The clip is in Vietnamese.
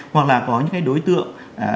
hoặc là có những cái đối tượng